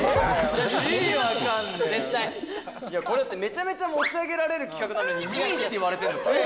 いや、これってめちゃめちゃ持ち上げられる企画なのに、２位って言われてる。